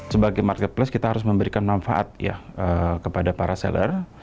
sebagai marketplace kita harus memberikan manfaat ya kepada para seller